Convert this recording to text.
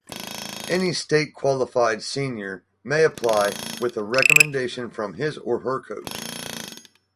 Any state-qualified senior may apply with a recommendation from his or her coach.